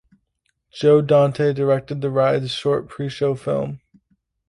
Joe Dante directed the ride's short preshow film.